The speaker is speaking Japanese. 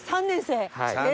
３年生！